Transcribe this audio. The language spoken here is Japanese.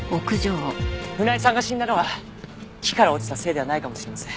船井さんが死んだのは木から落ちたせいではないかもしれません。